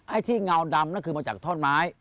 ไอ้ที่เงาดำนั่นคือมาจากท่อนไม้